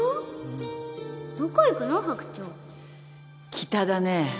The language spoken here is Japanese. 北だね